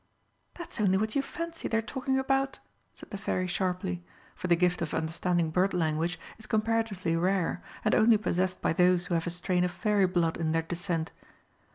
"That's only what you fancy they're talking about," said the Fairy sharply; for the gift of understanding bird language is comparatively rare, and only possessed by those who have a strain of Fairy blood in their descent.